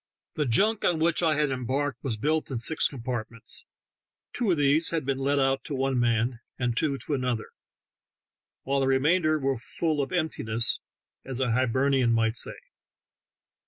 The junk on which I had embarked was built in six compartments ; two of these had been let out to one man and two to another, while the remainder were "full of emptiness," as a Hiber nian might say.